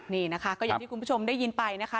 นี่นะคะก็อย่างที่คุณผู้ชมได้ยินไปนะคะ